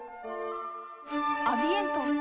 アビエント。